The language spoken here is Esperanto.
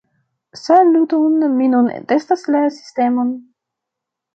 Saluton, mi nun testas la sistemon.